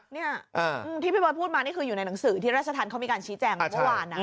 นี่ที่พี่บอสพูดมานี่คืออยู่ในหนังสือที่รัชทันเขามีการชี้แจ่งเมื่อวาน